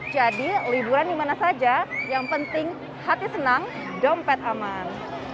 jadi liburan dimana saja yang penting hati senang dompet aman